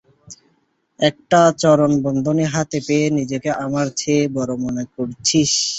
একটা চরণ-বন্ধনী হাতে পেয়ে নিজেকে আমার চেয়ে বড় মন করছিস?